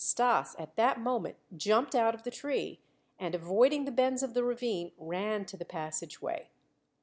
Stas, at that moment, jumped out of the tree and, avoiding the bends of the ravine, ran to the passageway.